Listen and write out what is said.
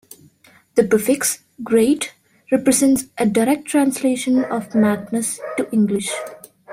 The prefix "great-" represents a direct translation of "magnus" to English.